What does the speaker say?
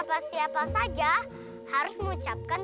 dosa deh sudah tahu kan